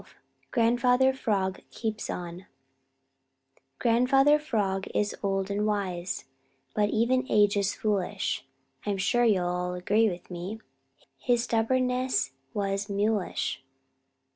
XII GRANDFATHER FROG KEEPS ON Grandfather Frog is old and wise, But even age is foolish. I'm sure you'll all agree with me His stubbornness was mulish.